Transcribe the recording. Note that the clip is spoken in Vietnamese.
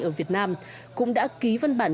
ở việt nam cũng đã ký văn bản